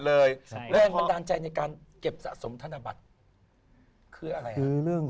เรื่องที่มันดังใจในการเก็บสะสมธนบัตรคืออะไร